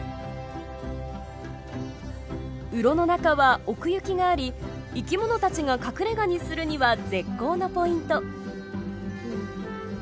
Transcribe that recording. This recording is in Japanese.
ウロの中は奥行きがあり生き物たちが隠れがにするには絶好のポイント。